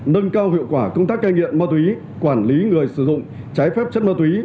nâng cao hiệu quả công tác cai nghiện ma túy quản lý người sử dụng trái phép chất ma túy